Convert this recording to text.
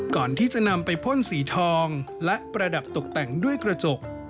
ก่อนที่จะนำไปพ่นสีทองและประดับตกแต่งด้วยกระจก